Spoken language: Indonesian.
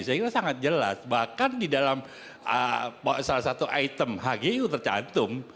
saya kira sangat jelas bahkan di dalam salah satu item hgu tercantum